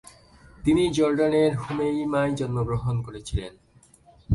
তিনি জর্ডানের হুমেইমায় জন্মগ্রহণ করেছিলেন।